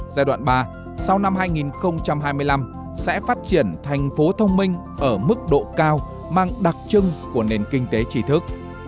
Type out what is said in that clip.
giai đoạn ba sau năm hai nghìn hai mươi năm sẽ phát triển thành phố thông minh ở mức độ cao mang đặc trưng của nền kinh tế trí thức